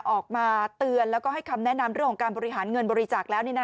ออกมาเตือนแล้วก็ให้คำแนะนำเรื่องของการบริหารเงินบริจาคแล้ว